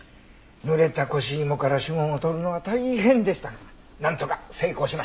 濡れた腰紐から指紋を採るのは大変でしたがなんとか成功しました。